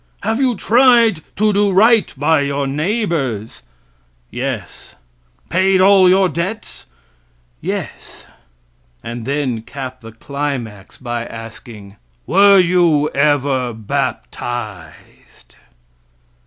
"Have you tried to do right by your neighbors?" "Yes." "Paid all your debts?" "Yes." And then cap the climax by asking: "Were you ever baptized?"